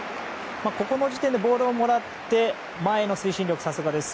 ここの時点でボールをもらって前の推進力スピード、さすがです。